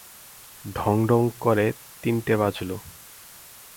ঢং ঢং করে তিনটে বাজল।